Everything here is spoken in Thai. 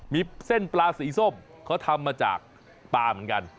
มีเส้นปลาสีส้มเขาทำมาจากปลาเหมือนกัน